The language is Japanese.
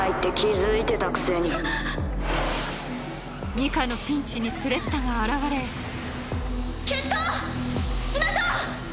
ニカのピンチにスレッタが現れ決闘しましょう！